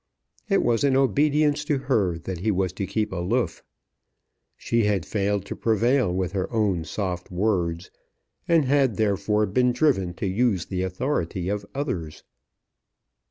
It was in obedience to her that he was to keep aloof. She had failed to prevail with her own soft words, and had therefore been driven to use the authority of others.